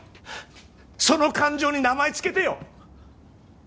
その感情に名前付けてよ！